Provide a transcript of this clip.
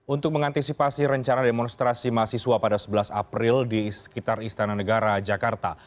untuk mengantisipasi rencana demonstrasi mahasiswa pada sebelas april di sekitar istana negara jakarta